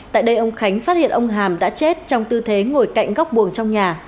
tại đây ông khánh phát hiện ông hàm đã chết trong tư thế ngồi cạnh góc buồng trong nhà